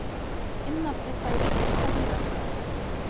إنّ القطّ يشرب حليبك.